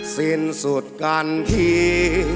สิ้นสุดกันที